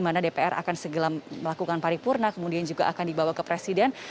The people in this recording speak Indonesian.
sebuah perkembangan baru dimana dpr akan melakukan paripurna kemudian juga akan dibawa ke presiden